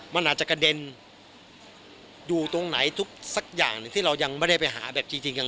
มันอาจจะกระเด็นดูตรงไหนทุกสักอย่างที่เรายังไม่ได้ไปหาแบบจริงจังกัน